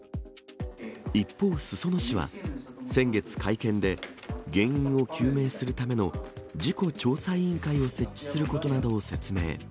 一方、裾野市は、先月会見で、原因を究明するための事故調査委員会を設置することなどを説明。